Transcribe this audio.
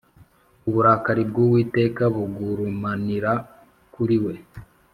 Uburakari bw Uwiteka bugurumanira kuriwe